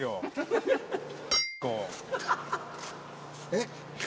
えっ？